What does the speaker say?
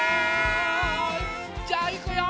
じゃあいくよ。